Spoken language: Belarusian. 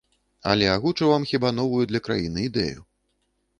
Але агучу вам, хіба, новую для краіны ідэю.